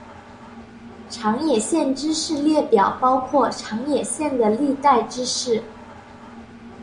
长野县知事列表包括长野县的历代知事。